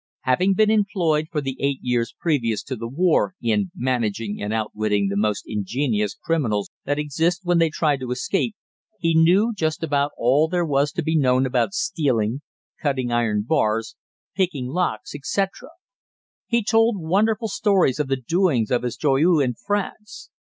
Having been employed for the eight years previous to the war in managing and outwitting the most ingenious criminals that exist when they tried to escape, he knew just about all there was to be known about stealing, cutting iron bars, picking locks, etc. He told wonderful stories of the doings of his "Joyeux" in France.